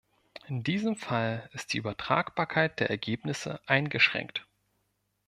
In diesem Fall ist die Übertragbarkeit der Ergebnisse eingeschränkt.